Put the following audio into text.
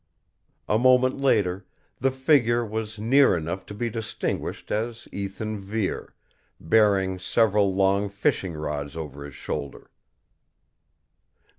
A moment later the figure was near enough to be distinguished as Ethan Vere, bearing several long fishing rods over his shoulder.